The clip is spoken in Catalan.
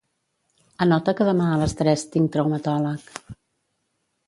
Anota que demà a les tres tinc traumatòleg.